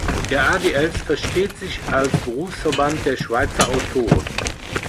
Der AdS versteht sich als Berufsverband der Schweizer Autoren.